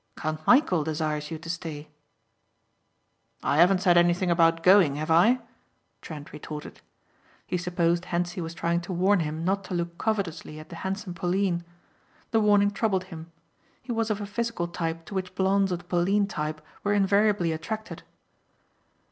Count Michæl desires you to stay." "I haven't said anything about going have I?" Trent retorted. He supposed Hentzi was trying to warn him not to look covetously at the handsome Pauline. The warning troubled him. He was of a physical type to which blonds of the Pauline type were invariably attracted.